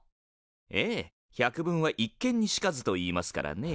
ええ「百聞は一見にしかず」と言いますからね。